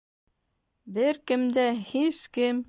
Бер кем дә, һис кем